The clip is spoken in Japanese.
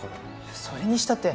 それにしたって。